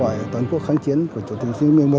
lời kêu gọi toàn quốc kháng chiến của chủ tịch hồ chí minh